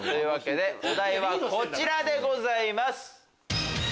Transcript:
お題はこちらでございます。